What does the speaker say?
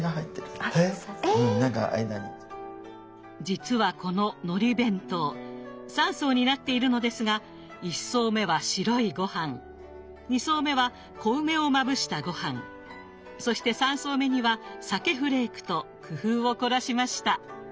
実はこののり弁当三層になっているのですが一層目は白いごはん二層目は小梅をまぶしたごはんそして三層目には鮭フレークと工夫を凝らしました。